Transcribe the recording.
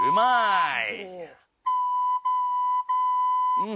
うん。